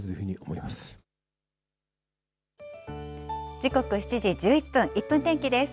時刻７時１１分、１分天気です。